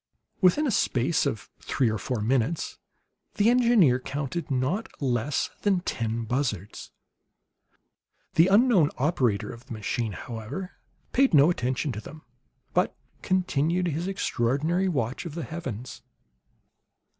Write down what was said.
Within a space of three or four minutes the engineer counted not less than ten buzzards. The unknown operator of the machine, however, paid no attention to them, but continued his extraordinary watch of the heavens.